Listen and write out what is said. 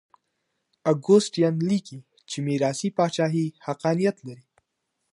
اګوستين ليکي چي ميراثي پاچاهي حقانيت لري.